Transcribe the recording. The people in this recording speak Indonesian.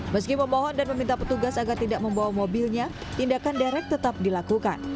meski memohon dan meminta petugas agar tidak membawa mobilnya tindakan derek tetap dilakukan